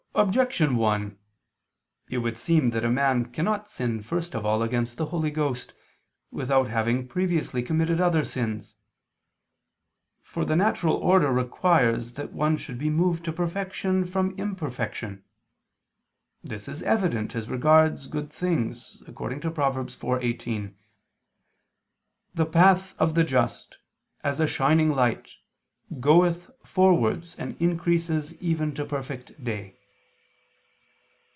Objection 1: It would seem that a man cannot sin first of all against the Holy Ghost, without having previously committed other sins. For the natural order requires that one should be moved to perfection from imperfection. This is evident as regards good things, according to Prov. 4:18: "The path of the just, as a shining light, goeth forwards and increases even to perfect day."